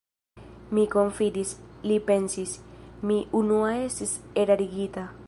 Mi konfidis, li pensis: mi unua estis erarigita.